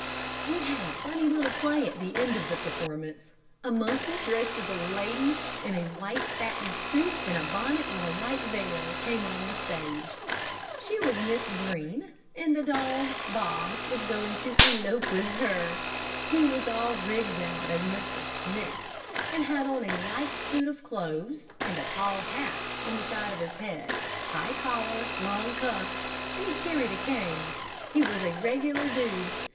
"We had a funny little play at the end of the performance. A monkey dressed as a lady in a white satin suit and a bonnet with a white veil, came on the stage. She was Miss Green and the dog Bob was going to elope with her. He was all rigged out as Mr. Smith, and had on a light suit of clothes, and a tall hat on the side of his head, high collar, long cuffs, and he carried a cane. He was a regular dude.